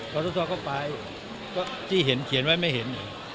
เขาก็เข้าไปที่เห็นเขียนไว้ไม่เห็น